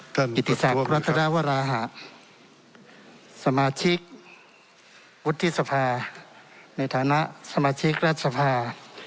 ท่านสมาชิกวุฒิสภาในฐานะสมาชิกราชภา